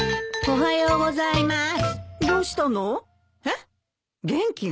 おはようございます！